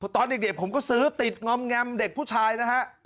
ตอนเด็กผมก็ซื้อติดง่ำเด็กผู้ชายนะครับ